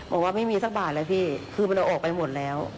บอกว่าไม่มีสักบาทเลยพี่คือมันเอาออกไปหมดแล้ว